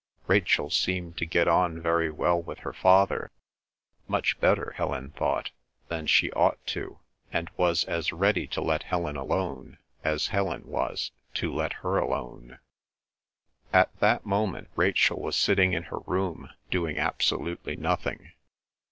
Rachel seemed to get on very well with her father—much better, Helen thought, than she ought to—and was as ready to let Helen alone as Helen was to let her alone. At that moment Rachel was sitting in her room doing absolutely nothing.